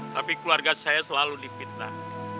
tapi keluarga saya selalu dipitnah